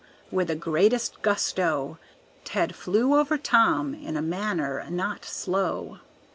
With the greatest gusto, Ted flew over Tom in a manner not slow.